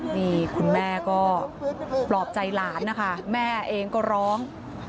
นี่คุณแม่ก็ปลอบใจหลานนะคะแม่เองก็ร้อง